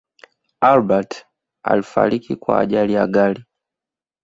albert alifariki kwa ajari ya gari